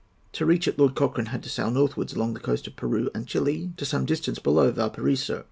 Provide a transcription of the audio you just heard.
To reach it Lord Cochrane had to sail northwards along the coast of Peru and Chili to some distance below Valparaiso.